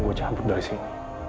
gue cabut dari sini